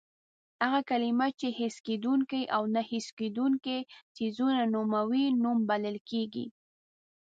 هغه کلمه چې حس کېدونکي او نه حس کېدونکي څیزونه نوموي نوم بلل کېږي.